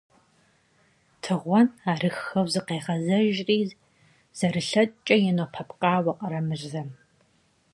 Тыгъуэн арыххэу зыкъегъэзэжри зэрылъэкӏкӏэ йонэпэпкъауэ Къарэмырзэм.